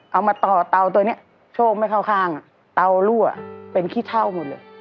เอามาต่อเตาตัวนี้โชคไม่เข้าข้างเตารั่วเป็นขี้เท่าหมดเลย